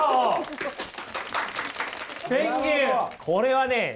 これはね